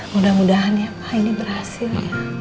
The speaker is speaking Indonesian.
mudah mudahan ya pak ini berhasil